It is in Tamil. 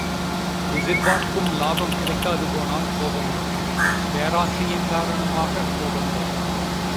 எதிர்பார்க்கும் லாபம் கிடைக்காது போனால் கோபம் வரும் பேராசையின் காரணமாகக் கோபம் வரும்.